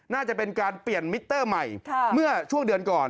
น่าจะเป็นการเปลี่ยนมิเตอร์ใหม่เมื่อช่วงเดือนก่อน